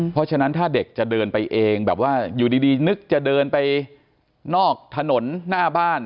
เพราะฉะนั้นถ้าเด็กจะเดินไปเองแบบว่าอยู่ดีนึกจะเดินไปนอกถนนหน้าบ้าน